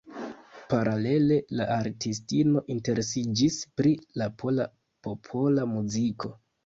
Paralele la artistino interesiĝis pri la pola popola muziko.